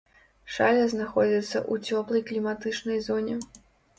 Шаля знаходзіцца ў цёплай кліматычнай зоне.